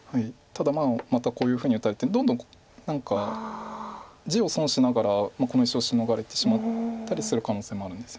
ただまたこういうふうに打たれてどんどん何か地を損しながらこの石をシノがれてしまったりする可能性もあるんですよね。